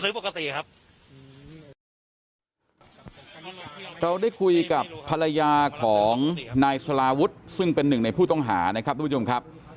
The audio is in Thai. เราได้คุยกับภรรยาของนายศาลาวุฒซึ่งเป็นหนึ่งในผู้ต้องหานะครับ